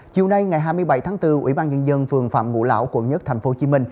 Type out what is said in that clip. chiều nay ngày hai mươi bảy tháng bốn ủy ban nhân dân phường phạm ngũ lão quận một tp hcm